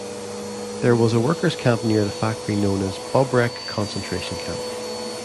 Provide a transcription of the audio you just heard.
There was a workers camp near the factory known as Bobrek concentration camp.